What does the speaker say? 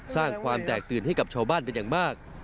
สร้างความแตกตื่นให้กับชาวบ้านเป็นอย่างมาก